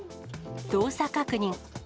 動作確認。